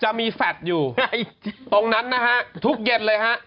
จะมีแฟลตอยู่ตรงนั้นนะฮะทุกเย็นเลยฮะ